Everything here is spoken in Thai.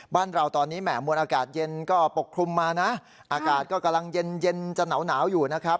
บ้านเราตอนนี้แหม่มวลอากาศเย็นก็ปกคลุมมานะอากาศก็กำลังเย็นเย็นจะหนาวอยู่นะครับ